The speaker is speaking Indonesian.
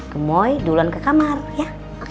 kemoy duluan ke kamar ya